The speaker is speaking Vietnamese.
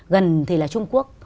gần thì là trung quốc